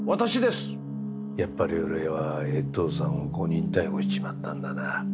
やっぱり俺は衛藤さんを誤認逮捕しちまったんだな。